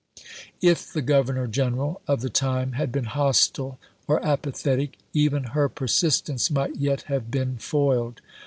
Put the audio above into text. If the Governor General of the time had been hostile or apathetic, even her persistence might yet have been foiled.